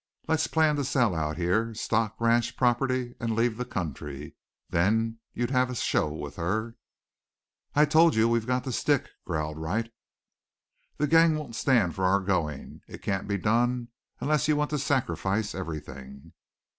Let's plan to sell out here, stock, ranch, property, and leave the country. Then you'd have a show with her." "I told you we've got to stick," growled Wright. "The gang won't stand for our going. It can't be done unless you want to sacrifice everything."